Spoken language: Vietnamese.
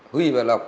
huy và lộc